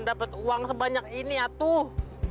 dapat uang sebanyak ini atuh